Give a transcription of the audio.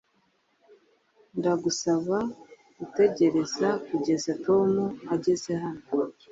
ndagusaba gutegereza kugeza tom ageze hano